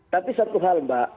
tapi satu hal pak